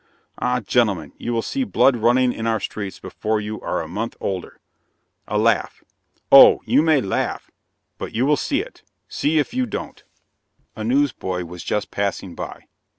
Ah, gentlemen, you will see blood running in our streets before you are a month older. (A laugh.) Oh, you may laugh; but you will see it see if you don't!" A newsboy was just passing by.